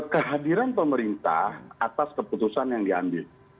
kehadiran pemerintah atas keputusan yang diambil